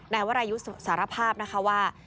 นายวรายุทธ์สารภาพนะคะว่า